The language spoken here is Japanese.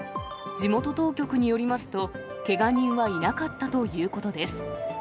地元当局によりますと、けが人はいなかったということです。